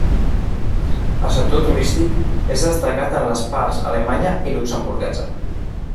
El sector turístic és destacat en les parts alemanya i luxemburguesa.